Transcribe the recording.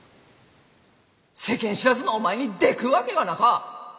世間知らずのお前にでくっわけがなか！